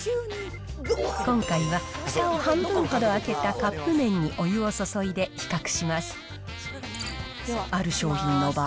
今回はふたを半分ほど開けたカップ麺にお湯を注いで比較します。